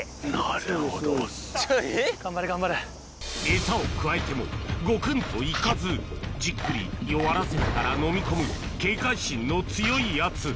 エサをくわえてもゴクンといかずじっくり弱らせてからのみ込む警戒心の強いやつ